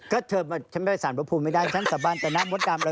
ก็เธอฉันไม่สามารถพูดไม่ได้ฉันสาบานต่อหน้ามดตามอะไร